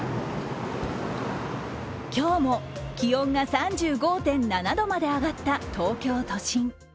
今日も気温が３５．７度まで上がった東京都心。